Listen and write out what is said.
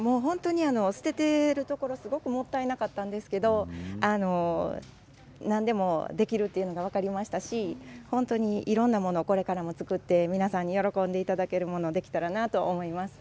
捨てているところすごくもったいなかったんですけど何でもできるということが分かりましたしいろんなものをこれから作って皆さんに喜んでいただけるものができたらなと思います。